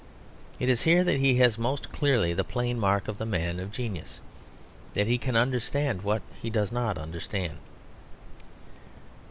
It is here that he has most clearly the plain mark of the man of genius; that he can understand what he does not understand.